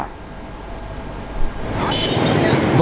vòng xuyến xô viết nghệ tĩnh nguyễn hữu thọ